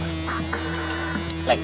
lek urusan lu apa